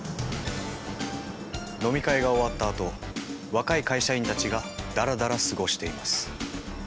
飲み会が終わったあと若い会社員たちがだらだら過ごしています。